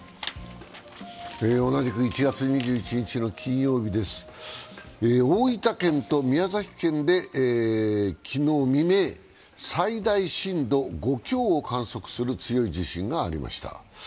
同じく１月２１日の金曜日です大分県と宮崎県で昨日未明、最大震度５強を観測する強い地震がありました。